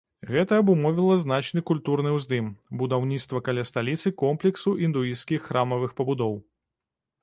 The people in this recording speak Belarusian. Гэта абумовіла значны культурны ўздым, будаўніцтва каля сталіцы комплексу індуісцкіх храмавых пабудоў.